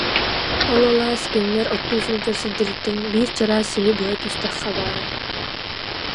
Ол алаас кинилэр оттуу сылдьар сирдэриттэн биир чараас сиһи быһа түстэххэ баара